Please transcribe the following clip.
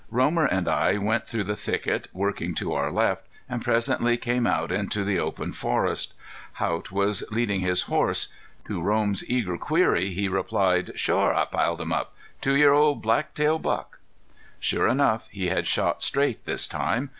Romer and I went through the thicket, working to our left, and presently came out into the open forest. Haught was leading his horse. To Romer's eager query he replied: "Shore, I piled him up. Two year old black tail buck." Sure enough he had shot straight this time.